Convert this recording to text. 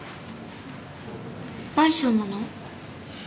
マンションなの？